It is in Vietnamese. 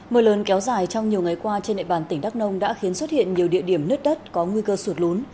mưa lớn kéo dài trong nhiều ngày qua trên địa bàn tỉnh đắk nông đã khiến xuất hiện nhiều địa điểm nứt đất có nguy cơ sụt lún